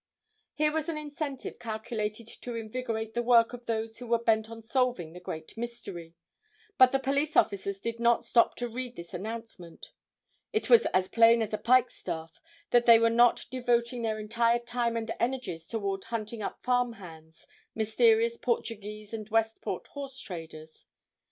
Here was an incentive calculated to invigorate the work of those who were bent on solving the great mystery. But the police officers did not stop to read this announcement. It was as plain as a pike staff that they were not devoting their entire time and energies toward hunting up farm hands, mysterious Portuguese and Westport horse traders.